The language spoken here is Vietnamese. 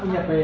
không nhập về